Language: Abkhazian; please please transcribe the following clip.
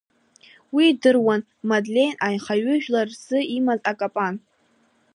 Уи идыруан, Мадлеи анхаҩыжәлар рҿы имаз акапан.